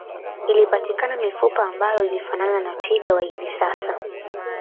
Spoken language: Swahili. Ilipatikana mifupa ambayo ilifanana na ya twiga wa hivi sasa